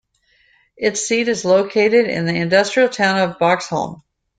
Its seat is located in the industrial town of Boxholm.